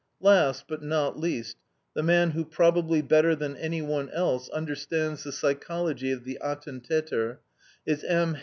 Last, but not least, the man who probably better than anyone else understands the psychology of the ATTENTATER is M.